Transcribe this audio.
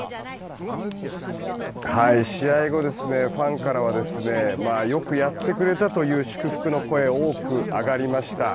試合後、ファンからはよくやってくれたという祝福の声が多く上がりました。